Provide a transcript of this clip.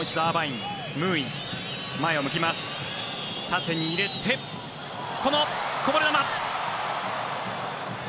縦に入れて、こぼれ球。